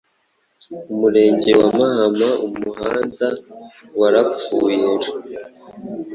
umurenge wa Mahama umuhanda warapfuyr